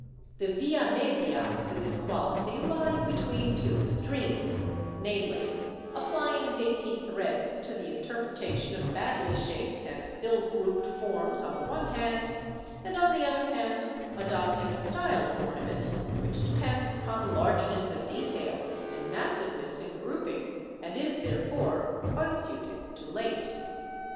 The via media to this quality lies between two extremes; namely, applying dainty threads to the interpretation of badly shaped and ill grouped forms on the one hand, and on the other hand adopting a style of ornament which depends upon largeness of detail and massiveness in grouping, and is therefore unsuited to lace.